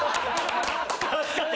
確かに。